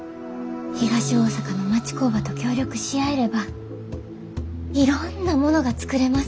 東大阪の町工場と協力し合えればいろんなものが作れます。